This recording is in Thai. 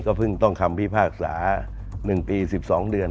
เพิ่งต้องคำพิพากษา๑ปี๑๒เดือน